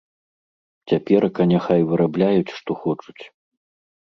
Цяперака няхай вырабляюць што хочуць.